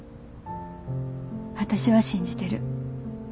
私は信じてる。